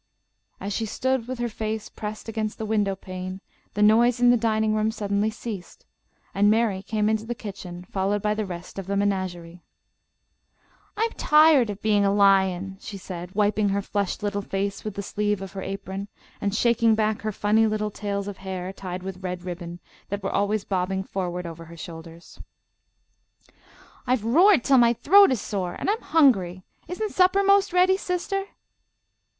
As she stood with her face pressed against the window pane, the noise in the dining room suddenly ceased, and Mary came into the kitchen, followed by the rest of the menagerie. "I'm tired of being a lion," she said, wiping her flushed little face with the sleeve of her apron, and shaking back her funny little tails of hair tied with red ribbon, that were always bobbing forward over her shoulders. "I've roared till my throat is sore, and I'm hungry. Isn't supper most ready, sister?"